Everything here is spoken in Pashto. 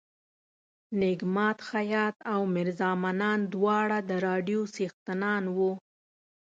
نیک ماد خیاط او میرزا منان دواړه د راډیو څښتنان وو.